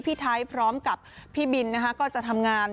พี่ไทยพร้อมกับพี่บินนะคะก็จะทำงาน